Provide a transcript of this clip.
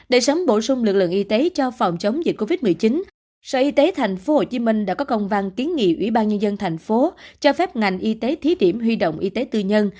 để sớm bổ sung lực lượng y tế cho phòng chống dịch covid một mươi chín sở y tế tp hcm đã có công văn kiến nghị ubnd tp hcm cho phép ngành y tế thí điểm huy động y tế tư nhân